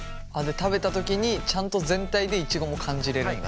食べた時にちゃんと全体でイチゴも感じれるんだ。